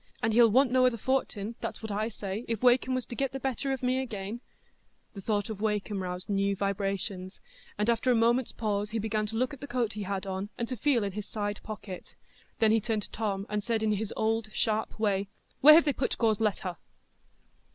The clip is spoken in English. And he'll want no other fortin, that's what I say—if Wakem was to get the better of me again——" The thought of Wakem roused new vibrations, and after a moment's pause he began to look at the coat he had on, and to feel in his side pocket. Then he turned to Tom, and said in his old sharp way, "Where have they put Gore's letter?"